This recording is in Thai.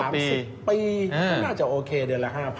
น่าจะโอเคเดือนละ๕๐๐